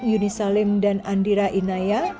yuni salim dan andira inaya